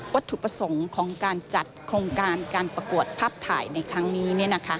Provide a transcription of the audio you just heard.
ถูกประสงค์ของการจัดโครงการการประกวดภาพถ่ายในครั้งนี้